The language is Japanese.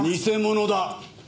偽物だ！